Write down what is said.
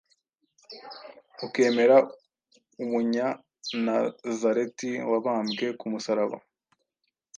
ukemera Umunyanazareti wabambwe ku musaraba